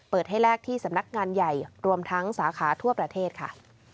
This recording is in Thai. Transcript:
เปิดให้แลกที่สำนักงานใหญ่รวมทั้งสาขาทั่วประเทศค่ะ